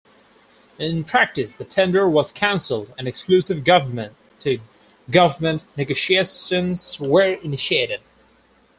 In practice the tender was cancelled and exclusive government to government negotiations were initiated.